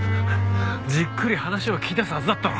じっくり話を聞き出すはずだったろ！